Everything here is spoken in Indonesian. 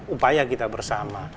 upaya kita bersama